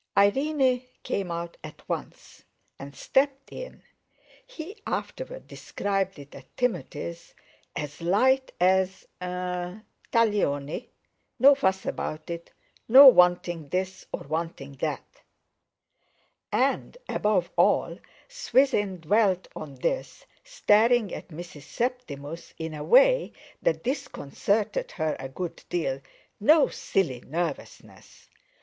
Irene came out at once, and stepped in—he afterward described it at Timothy's—"as light as—er—Taglioni, no fuss about it, no wanting this or wanting that;" and above all, Swithin dwelt on this, staring at Mrs. Septimus in a way that disconcerted her a good deal, "no silly nervousness!"